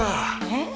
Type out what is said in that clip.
えっ？